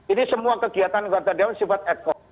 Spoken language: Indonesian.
ini semua kegiatan anggota dewan sifat ad cost